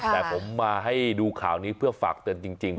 แต่ผมมาให้ดูข่าวนี้เพื่อฝากเตือนจริง